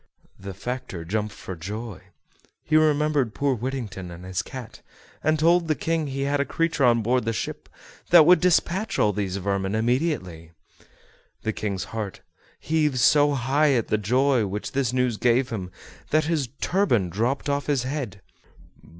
The factor jumped for joy; he remembered poor Whittington and his cat, and told the King he had a creature on board the ship that would despatch all these vermin immediately. The King's heart heaved so high at the joy which this news gave him that his turban dropped off his head.